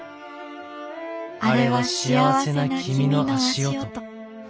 あれは幸せな君の足音。